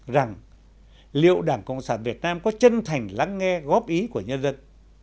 rằng liệu đảng cộng sản việt nam có chân thành lắng nghe góp ý của nhân dân